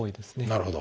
なるほど。